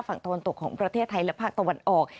ฝั่งตะวันตกของประเทศไทยและภาคตะวันออก